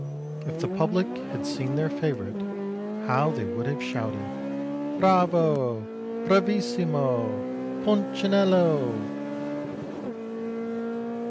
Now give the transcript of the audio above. If the public had seen their favourite, how they would have shouted, ' Bravo! Bravissimo! Punchinello.'